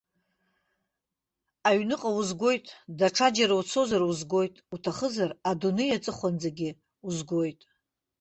Аҩныҟа узгоит, даҽаџьара уцозар узгоит, уҭахызар адунеи аҵыхәанӡагьы узгоит.